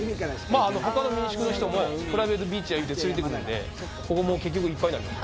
ほかの民宿の人もプライベートビーチに連れてくるので、ここも結局、いっぱいなんです。